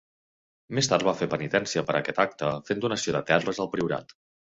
Més tard va fer penitència per a aquest acte fent donació de terres al priorat.